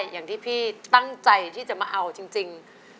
อย่างที่พี่ตั้งใจที่จะมาเอาจริง